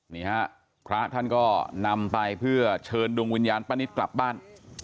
นี่ฮะพระท่านก็นำไปเพื่อเชิญดวงวิญญาณป้านิตกลับบ้าน